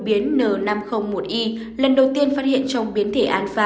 biến n năm trăm linh một y lần đầu tiên phát hiện trong biến thể alpha khiến chúng lây lan nhanh hơn